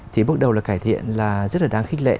thì bước đầu là cải thiện là rất là đáng khích lệ